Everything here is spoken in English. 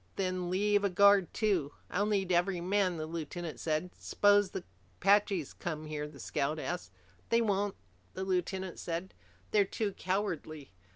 "Then leave a guard too." "I'll need every man," the lieutenant said. "S'pose the Apaches come here?" the scout asked. "They won't," the lieutenant said. "They're too cowardly.